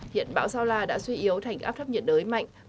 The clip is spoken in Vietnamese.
hiện bão sao la đã suy yếu thành áp thấp nhiệt đới mạnh